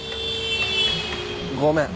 ごめん。